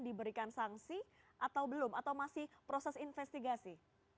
diberikan sanksi atau belum atau masih proses investigasi